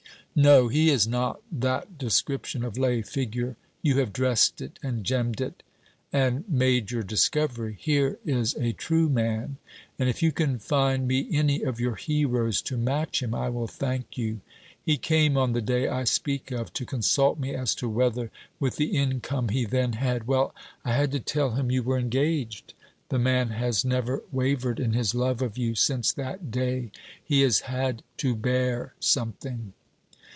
'No; he is not that description of lay figure. You have dressed it, and gemmed it, and made your discovery. Here is a true man; and if you can find me any of your heroes to match him, I will thank you. He came on the day I speak of, to consult me as to whether, with the income he then had ... Well, I had to tell him you were engaged. The man has never wavered in his love of you since that day. He has had to bear something.'